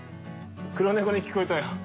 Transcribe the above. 黒猫に聞こえたよ。